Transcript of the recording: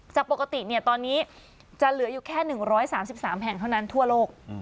จากปกติตอนนี้จะเหลืออยู่แค่๑๓๓แห่งเท่านั้นทั่วโลก